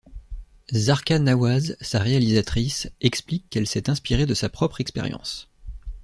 Zarqa Nawaz, sa réalisatrice, explique qu'elle s'est inspirée de sa propre expérience.